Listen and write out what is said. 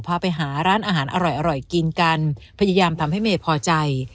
พาไปหาร้านอาหารอร่อยกินกันพยายามทำให้เมย์พอใจ